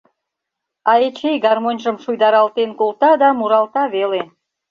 А Эчей гармоньжым шуйдаралтен колта да муралта веле: